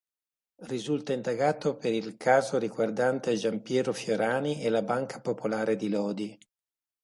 Risulta indagato per il caso riguardante Gianpiero Fiorani e la Banca Popolare di Lodi.